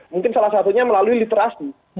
mungkin salah satunya melalui literasi